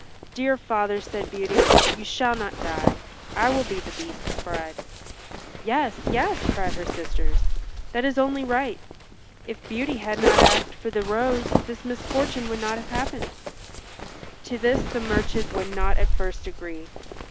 "Dear father," said Beauty, "you shall not die. I will be the Beast's bride." "Yes, yes," cried her sisters. "That is only right. If Beauty had not asked for the rose this misfortune would not have happened." To this the merchant would not at first agree.